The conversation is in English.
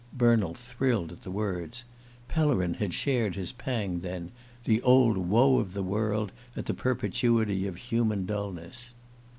Bernald thrilled at the words. Pellerin had shared his pang, then the "old woe of the world" at the perpetuity of human dulness!